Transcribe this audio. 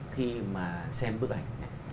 khi mà xem bức ảnh